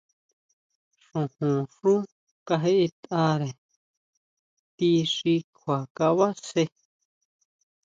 Xojonxú kajeʼetʼare ti xi kjua kabasjé.